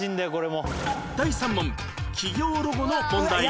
第３問企業ロゴの問題